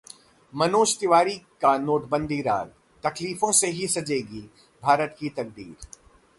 मनोज तिवारी का 'नोटबंदी राग', तकलीफों से ही सजेगी भारत की तकदीर...